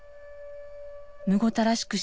「むごたらしく